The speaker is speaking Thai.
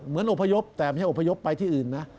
อบพยพแต่ไม่ใช่อพยพไปที่อื่นนะ